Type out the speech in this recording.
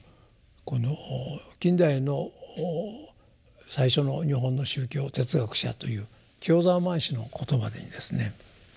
この近代の最初の日本の宗教哲学者という清沢満之の言葉にですね